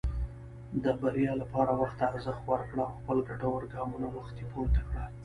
د بریا لپاره وخت ته ارزښت ورکړه، او خپل ګټور ګامونه وختي پورته کړه.